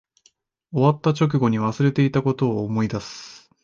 終わった直後に忘れていたことを思い出す